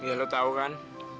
ya lo tau kan